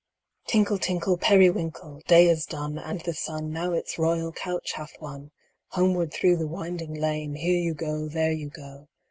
Tinkle, tinkle. Periwinkle ! Day is done, And the sun Now its royal couch hath won ! Homeward through the winding lane, Here you go, there you go.